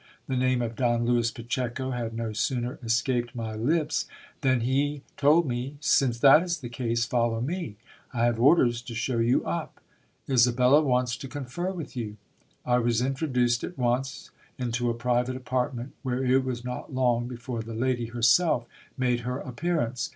The name of Don Lewis Pacheco had no sooner escaped my lips, than he told me — Since that is the case, follow me. I have orders to shew you up. Isabella wants to confer with you. I was introduced at once into a private apartment, where it was not long before the lady herself made her appearance.